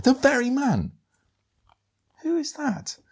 The very man!" "Who is that?"